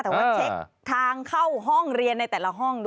แต่ว่าเช็คทางเข้าห้องเรียนในแต่ละห้อง